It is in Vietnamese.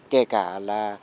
kể cả là